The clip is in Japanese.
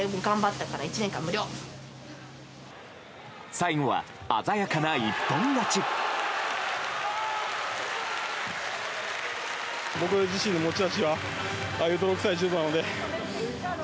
最後は鮮やかな一本勝ち。